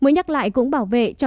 mới nhắc lại cũng bảo vệ cho